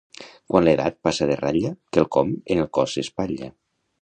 Quan l'edat passa de ratlla, quelcom en el cos s'espatlla.